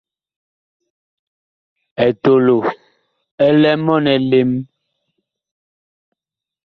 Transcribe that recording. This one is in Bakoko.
Etolo ɛ lɛ mɔɔn elem.